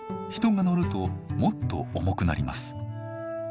人が乗るともっと重くなります。